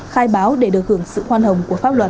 khai báo để được hưởng sự khoan hồng của pháp luật